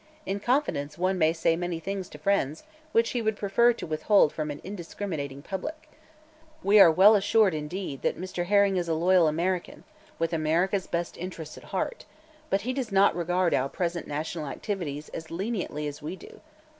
In confidence, one may say many things to friends which he would prefer to withhold from an indiscriminating public. We are well assured, indeed, that Mr. Herring is a loyal American, with America's best interests at heart, but he does not regard our present national activities as leniently as we do.